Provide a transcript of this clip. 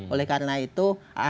oleh karena itu